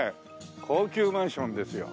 高級マンションですよ。